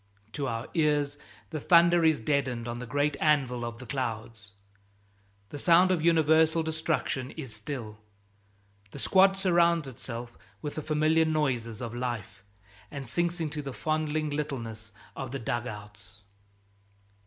To our ears the thunder is deadened on the great anvil of the clouds. The sound of universal destruction is still. The squad surrounds itself with the familiar noises of life, and sinks into the fondling littleness of the dug outs.